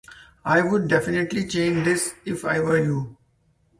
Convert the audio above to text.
I would definitely change this if I were you.